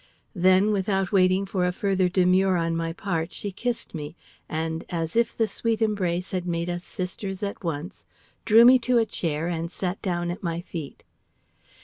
Then, without waiting for a further demur on my part, she kissed me, and as if the sweet embrace had made us sisters at once, drew me to a chair and sat down at my feet.